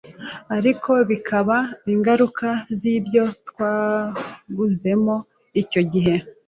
ariko bikaba ingaruka z’ibyo twanyuzemo icyo gihe,